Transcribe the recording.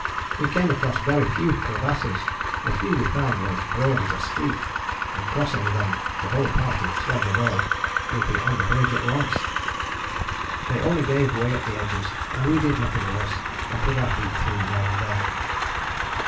We came across very few crevasses; the few we found were as broad as a street, and crossing them the whole party, sledge and all, would be on the bridge at once. They only gave way at the edges, and we did nothing worse than put our feet through now and then.